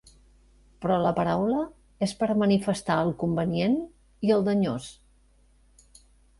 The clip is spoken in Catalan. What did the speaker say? Però la paraula és per a manifestar el convenient i el danyós.